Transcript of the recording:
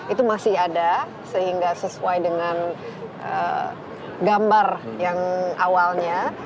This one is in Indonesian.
itu masih ada sehingga sesuai dengan gambar yang awalnya